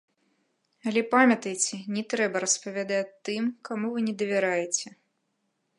Але памятайце, не трэба распавядаць тым, каму вы не давяраеце!